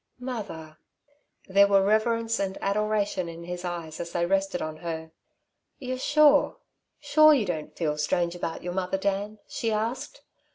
"Mother!" There were reverence and adoration in his eyes as they rested on her. "You're sure sure, you don't feel strange about your mother, Dan?" she asked.